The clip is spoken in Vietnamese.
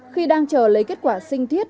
khi đang chờ lấy kết quả sinh thiết